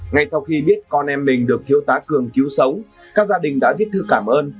ngay sau khi biết con em mình được thiếu tá cường cứu sống các gia đình đã viết thư cảm ơn